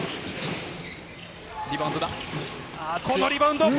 リバウンドだ。